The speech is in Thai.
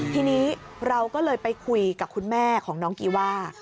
ทีนี้เราก็เลยไปคุยกับคุณแม่ของน้องกีว่า